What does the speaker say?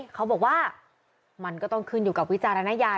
เขาบอกว่ามันก็ต้องขึ้นอยู่กับวิจารณญาณ